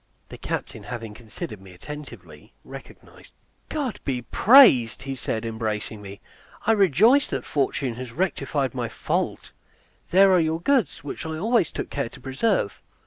The captain having considered me attentively recognized me. "God be praised!" said he, embracing me; "I rejoice that fortune has rectified my fault. There are your goods, which I always took care to preserve."